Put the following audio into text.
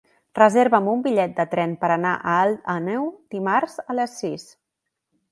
Reserva'm un bitllet de tren per anar a Alt Àneu dimarts a les sis.